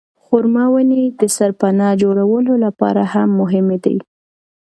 خورما ونې د سرپناه جوړولو لپاره هم مهمې دي.